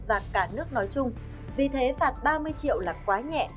và cả nước nói chung vì thế phạt ba mươi triệu là quá nhẹ